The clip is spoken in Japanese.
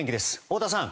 太田さん。